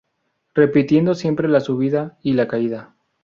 Repitiendo siempre la subida y la caída...